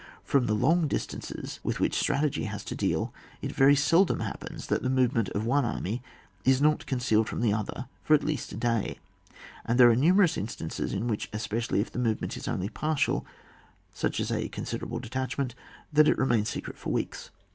From the long distances, with which strategy has to deal, it very seldom happens, that the movement of one army, is not con cealed from the other for at least a day, and there are numerous instances, in which especially if the movement is only partial, such as a considerable detachment, that it remains secret for weeks.